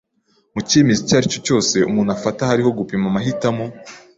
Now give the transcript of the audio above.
Mu cyemezo icyo ari cyo cyose umuntu afata hariho gupima amahitamo.